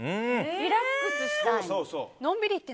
リラックスしたいの。